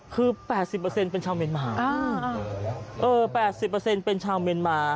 คือแปดสิบเปอร์เซ็นต์เป็นชาวเมริกาอ่าเออแปดสิบเปอร์เซ็นต์เป็นชาวเมริกา